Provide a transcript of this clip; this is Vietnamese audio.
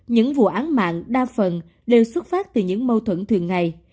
những vụ án mạng đa phần đều xuất phát từ những mâu thuẫn thường ngày